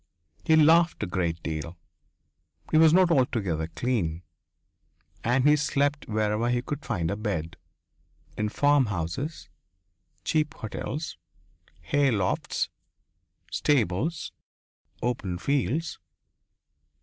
He laughed a great deal. He was not altogether clean. And he slept wherever he could find a bed in farmhouses, cheap hotels, haylofts, stables, open fields.